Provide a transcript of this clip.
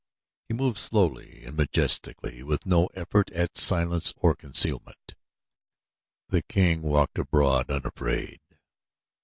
He moved slowly and majestically with no effort at silence or concealment. The king walked abroad, unafraid.